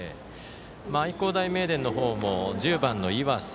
愛工大名電の方も１０番の岩瀬。